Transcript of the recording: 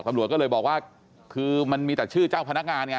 ตำรวจก็เลยบอกว่าคือมันมีแต่ชื่อเจ้าพนักงานไง